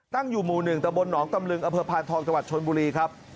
ตั้งอยู่หมู่หนึ่งตะบลหนองตำลึงอพานทองจชนบุรีครับ